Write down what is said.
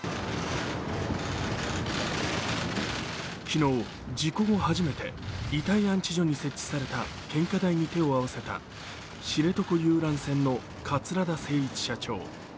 昨日、事故後初めて遺体安置所に設置された献花台に手を合わせた知床遊覧船の桂田精一社長。